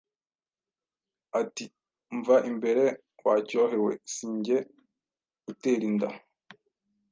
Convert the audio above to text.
ati: “Mva imbere wa cyohe we si nge utera inda